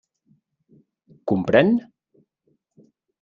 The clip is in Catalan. Comprèn?